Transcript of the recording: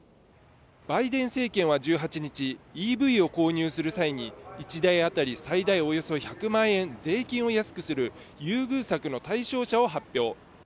バイデン政権は１８日、ＥＶを購入する際に、１台当たり最大およそ１００万円税金を安くする優遇策の対象車を発表。